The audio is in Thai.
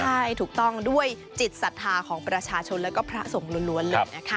ใช่ถูกต้องด้วยจิตศรัทธาของประชาชนแล้วก็พระสงฆ์ล้วนเลยนะคะ